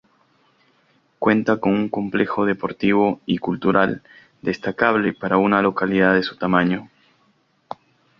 Cuenta con un complejo deportivo y cultural destacable para una localidad de su tamaño.